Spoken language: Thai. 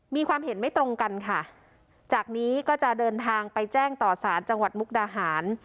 มีความเห็นไม่ตรงกันค่ะจากนี้ก็จะเดินทางไปแจ้งต่อสารจังหวัดมุกดาหาร